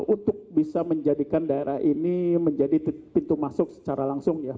untuk bisa menjadikan daerah ini menjadi pintu masuk secara langsung ya